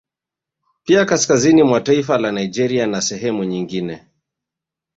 Pia kaskazini mwa taifa la Nigeria na sehemu nyigine